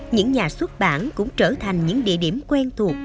những nhà xuất bản cũng trở thành những địa điểm quen thuộc